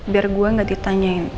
biar gue gak ditanyain